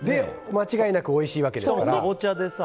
間違いなくおいしいわけですから。